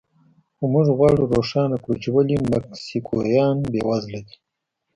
خو موږ غواړو روښانه کړو چې ولې مکسیکویان بېوزله دي.